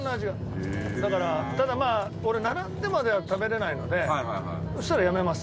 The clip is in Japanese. ただ、まあ、俺並んでまでは食べれないのでそしたら、やめます。